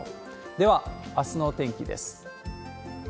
では、あすのお天気です。